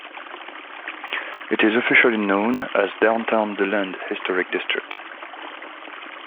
It is officially known as Downtown DeLand Historic District.